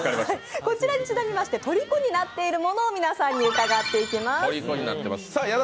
こちらにちなみまして、とりこになっているものを皆さんに伺っていきます。